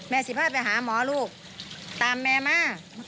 แม่สิพ่าไปหาหมอลูกตามแม่มา